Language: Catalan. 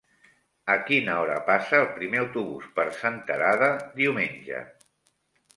A quina hora passa el primer autobús per Senterada diumenge?